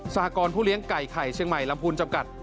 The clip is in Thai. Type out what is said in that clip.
สากรผู้เลี้ยงไก่ไข่เชียงใหม่ลำพูนจำกัด